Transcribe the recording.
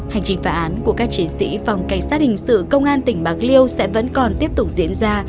hành trình phá án của các chiến sĩ phòng cảnh sát hình sự công an tỉnh bạc liêu sẽ vẫn còn tiếp tục diễn ra